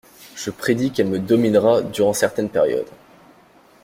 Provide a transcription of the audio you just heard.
Je prédis qu'elle me dominera durant certaines périodes.